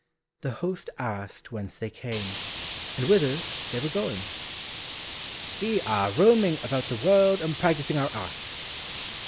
The host asked whence they came, and whither they were going? "We are roaming about the world and practising our art."